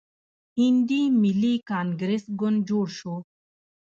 هندي ملي کانګریس ګوند جوړ شو.